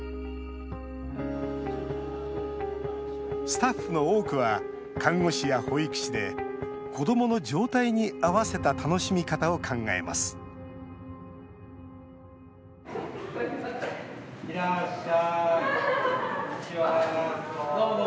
スタッフの多くは看護師や保育士で子どもの状態に合わせた楽しみ方を考えますいらっしゃい、こんにちは。